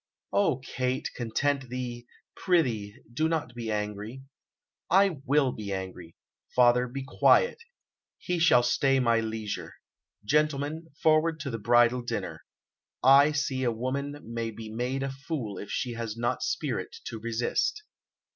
"O Kate, content thee; prithee, do not be angry." "I will be angry. Father, be quiet; he shall stay my leisure. Gentlemen, forward to the bridal dinner. I see a woman may be made a fool if she has not spirit to resist."